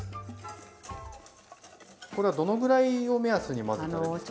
これはどのぐらいを目安に混ぜたらいいですか？